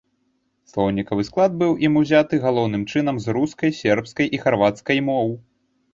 Слоўнікавы склад быў ім узяты галоўным чынам з рускай, сербскай і харвацкай моў.